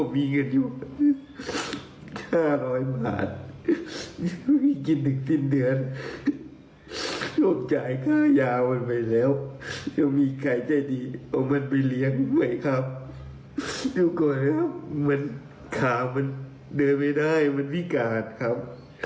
มันไปเลี้ยงไว้ครับดูก่อนครับมันขามันเดินไม่ได้มันพิการครับ